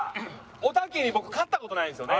おたけに僕勝った事ないんですよね。